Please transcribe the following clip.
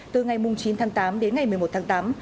từ ngày chín tháng tám đến ngày một mươi một tháng tám